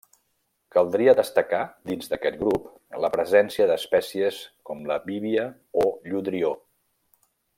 Caldria destacar dins d'aquest grup la presència d'espècies com la bívia o lludrió.